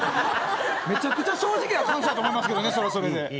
めちゃくちゃ正直な感想やと思いますけどねそれはそれで。